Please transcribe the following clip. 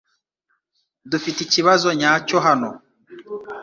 Dufite ikibazo nyacyo hano .